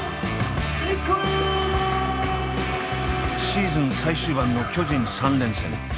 シーズン最終盤の巨人３連戦。